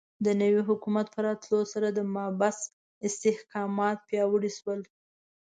د نوي حکومت په راتلو سره د محبس استحکامات پیاوړي شول.